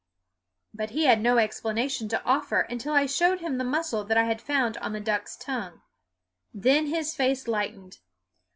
But he had no explanation to offer until I showed him the mussel that I had found on the duck's tongue. Then his face lightened.